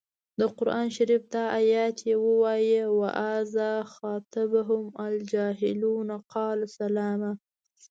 د قران شریف دا ایت یې ووايه و اذا خاطبهم الجاهلون قالو سلاما.